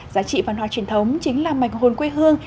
giá trị văn hóa truyền thống chính là mảnh hồn quê hương